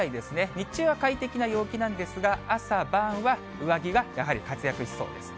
日中は快適な陽気なんですが、朝晩は上着がやはり活躍しそうです。